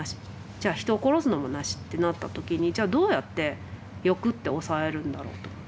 じゃあ人を殺すのもなし」ってなった時にじゃあどうやって欲って抑えるんだろうと思って。